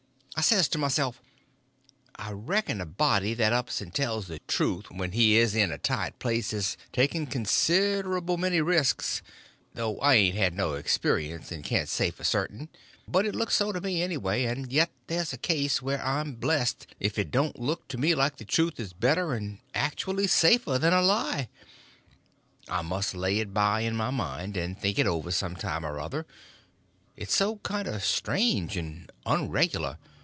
I says to myself, I reckon a body that ups and tells the truth when he is in a tight place is taking considerable many resks, though I ain't had no experience, and can't say for certain; but it looks so to me, anyway; and yet here's a case where I'm blest if it don't look to me like the truth is better and actuly safer than a lie. I must lay it by in my mind, and think it over some time or other, it's so kind of strange and unregular.